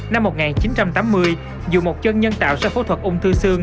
năm một nghìn chín trăm tám mươi dù một chân nhân tạo sau phẫu thuật ung thư xương